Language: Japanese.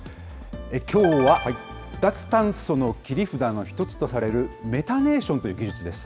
きょうは脱炭素の切り札の一つとされるメタネーションという技術です。